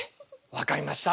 分かりました。